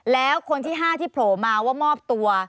แล้วคนที่๕ที่โผล่มาว่ามอบตัว